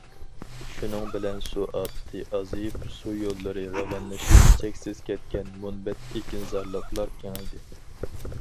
شۇنىڭ بىلەن سۇ ئاپىتى ئازىيىپ، سۇ يوللىرى راۋانلىشىپ، چەكسىز كەتكەن مۇنبەت ئېكىنزارلىقلار كېڭەيدى.